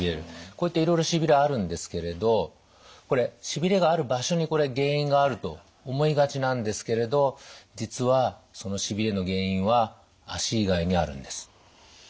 こういったいろいろしびれあるんですけれどこれしびれがある場所に原因があると思いがちなんですけれど実はそのしびれの原因は足以外にあるんです。